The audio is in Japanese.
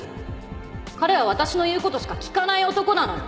彼は私の言う事しか聞かない男なの！